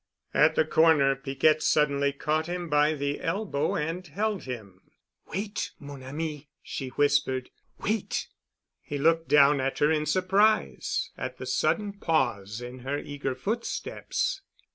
At the corner Piquette suddenly caught him by the elbow and held him. "Wait, mon ami," she whispered. "Wait!" He looked down at her in surprise at the sudden pause in her eager footsteps.